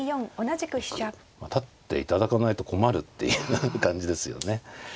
立っていただかないと困るっていうような感じですよね。